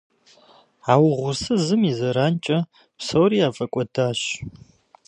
А угъурсызым и зэранкӏэ псори яфӏэкӏуэдащ.